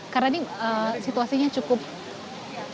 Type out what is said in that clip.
karena ini situasinya cenderung